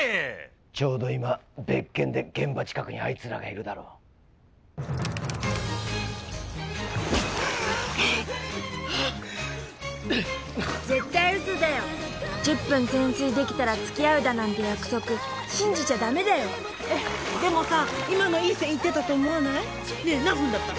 ちょうど今別件で現場近くにあいつらがいるだろう絶対ウソだよ１０分潜水できたらつきあうだなんて約束信じちゃダメだよでもさ今のいい線いってたと思わない？ねえ何分だった？